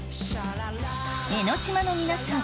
江の島の皆さん